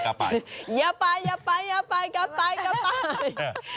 อ๋อคุณนี่นะ